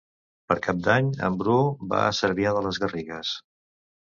Per Cap d'Any en Bru va a Cervià de les Garrigues.